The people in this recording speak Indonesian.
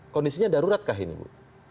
kondisinya darurat kah ini bu